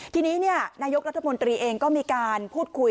ทีนี้นายกรัฐมนตรีเองก็มีการพูดคุย